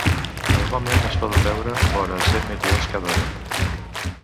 Normalment, es poden veure vora cent meteors cada hora.